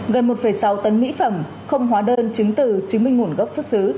gần một sáu tấn mỹ phẩm không hóa đơn chứng từ chứng minh nguồn gốc xuất xứ